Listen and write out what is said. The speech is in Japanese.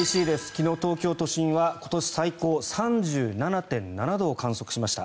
昨日、東京都心は今年最高３７．７度を観測しました。